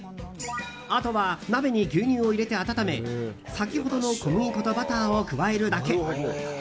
あとは鍋に牛乳を入れて温め先ほどの小麦粉とバターを加えるだけ。